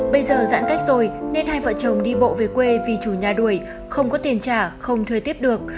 bây giờ giãn cách rồi nên hai vợ chồng đi bộ về quê vì chủ nhà đuổi không có tiền trả không thuê tiếp được